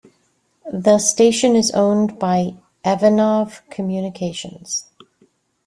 The station is owned by Evanov Communications.